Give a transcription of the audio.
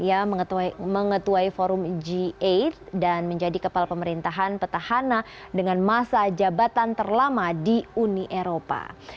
ia mengetuai forum g delapan dan menjadi kepala pemerintahan petahana dengan masa jabatan terlama di uni eropa